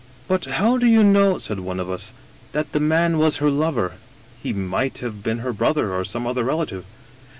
" But how do you know," said one of us, " that the man was her lover? He might have been her brother or some other relative."